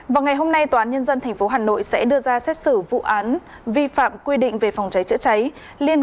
vào ngày hôm nay tòa án nhân dân tp hà nội sẽ đưa ra thông tin về các thông tin về các thông tin về các thông tin về các thông tin